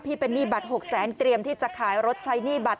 เป็นหนี้บัตร๖แสนเตรียมที่จะขายรถใช้หนี้บัตร